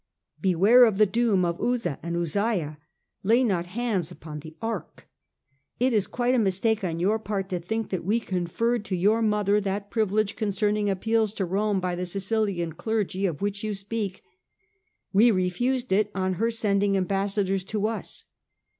Be ware of the doom of Uzzah and Uzziah ; lay not hands upon the Ark ! It is quite a mistake on your part to think that we conferred to your mother that privilege concerning appeals to Rome by the Sicilian Clergy, of which you speak ; we refused it on her sending ambassa dors to us.